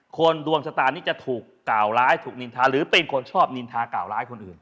ดวงชะตานี้จะถูกกล่าวร้ายถูกนินทาหรือเป็นคนชอบนินทาก่าวร้ายคนอื่น